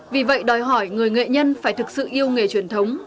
vì vậy đòi hỏi người nghệ nhân phải thực sự yêu nghề truyền thống